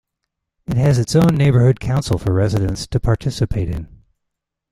It has its own neighborhood council for residents to participate in.